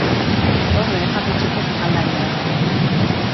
Aitor bere jatetxeko sukaldaria da.